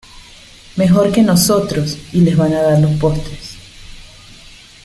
mejor que nosotros y les van a dar los postres.